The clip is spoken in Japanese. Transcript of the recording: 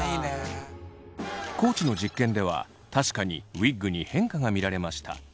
地の実験では確かにウィッグに変化が見られました。